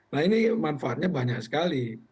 nah ini manfaatnya banyak sekali